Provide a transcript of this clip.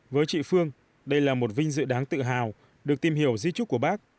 với chị phương đây là một vinh dự đáng tự hào được tìm hiểu di trúc của bác